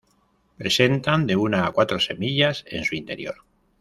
Presentan de una a cuatro semillas en su interior.